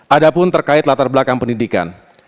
adapun terkait latar belakang pendidikan